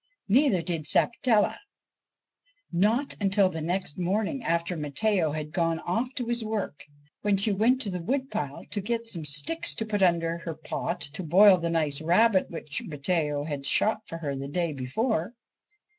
Neither did Sapatella, not until the next morning after Matteo had gone off to his work, when she went to the wood pile to get some sticks to put under her pot to boil the nice rabbit which Matteo had shot for her the day before.